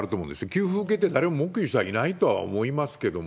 給付受けて誰も文句言う人はいないと思いますけれども。